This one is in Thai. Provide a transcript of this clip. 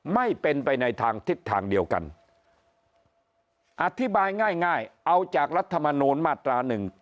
ไม่เป็นไปในทางทิศทางเดียวกันอธิบายง่ายเอาจากรัฐมนูลมาตราหนึ่ง